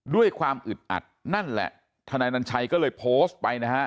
ด้วยความอึดอัดนั่นแหละธนานันชัยก็เลยโพสต์ไปนะฮะ